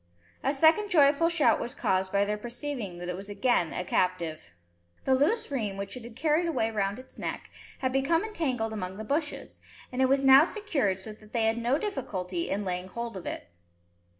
A second joyful shout was caused by their perceiving that it was again a captive. The loose rheim, which it had carried away round its neck, had become entangled among the bushes, and it was now secured so that they had no difficulty in laying hold of it.